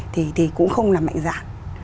thì cũng không là mạnh dạng